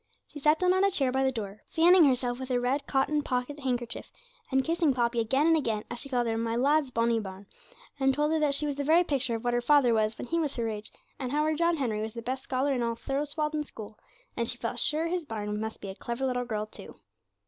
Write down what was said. She sat down on a chair by the door, fanning herself with her red cotton pocket handkerchief, and kissing Poppy again and again, as she called her 'my lad's bonny bairn,' and told her that she was the very picture of what her father was when he was her age, and how her John Henry was the best scholar in all Thurswalden School, and she felt sure his bairn must be a clever little girl too.